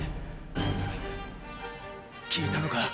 効いたのか？